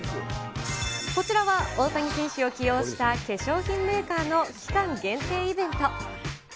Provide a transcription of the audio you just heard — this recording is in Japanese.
こちらは大谷選手を起用した化粧品メーカーの期間限定イベント。